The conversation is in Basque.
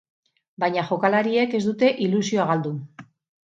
Baina jokalariek ez dute ilusioa galdu.